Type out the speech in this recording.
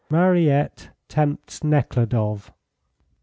MARIETTE TEMPTS NEKHLUDOFF.